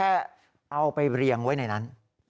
เอาไปเรียงไว้ในนั้น